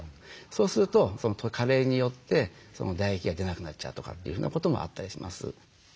そうすると加齢によって唾液が出なくなっちゃうとかっていうふうなこともあったりします。